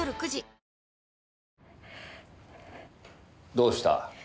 どうした？